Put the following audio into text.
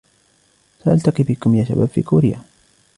سألتقي بكم يا شباب في كوريا!